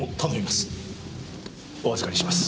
お預りします。